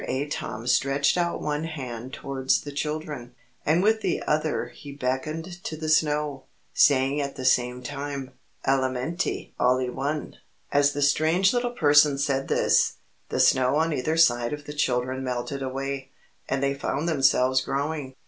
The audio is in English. Atom stretched out one hand towards the children, and with the other he beckoned to the snow, saying at the same time, "Elementi allione!" As the strange little person said this, the snow on either side of the children melted away, and they found themselves growing.